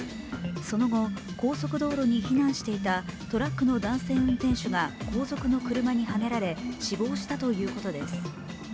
その後、高速道路に避難していたトラックの男性運転手が後続の車にはねられ死亡したということです。